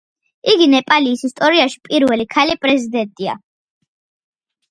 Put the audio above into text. იგი ნეპალის ისტორიაში პირველი ქალი პრეზიდენტია.